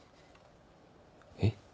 えっ？